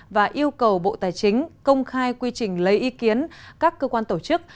và yêu cầu bộ tài chính công khai quy trình lấy ý kiến các cơ quan tổ chức